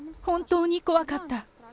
本当に怖かった。